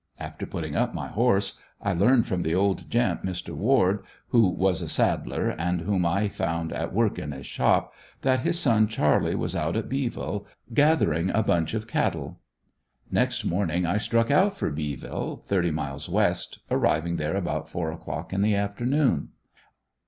After putting up my horse, I learned from the old gent Mr. Word, who was a saddler, and whom I found at work in his shop, that his son Charlie was out at Beeville, gathering a bunch of cattle. Next morning I struck out for Beeville, thirty miles west, arriving there about four o'clock in the afternoon.